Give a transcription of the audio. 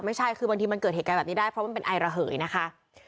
ไม่ใช่คือบางทีมันเกิดเหตุการณ์แบบนี้ได้เพราะมันเป็นไอระเหยนะคะ